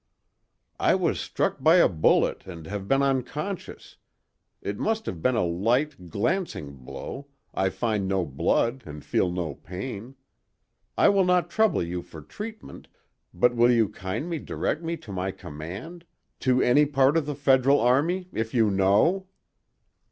"I was struck by a bullet and have been unconscious. It must have been a light, glancing blow: I find no blood and feel no pain. I will not trouble you for treatment, but will you kindly direct me to my command—to any part of the Federal army—if you know?"